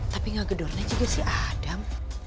tapi gak gedor gedor si adam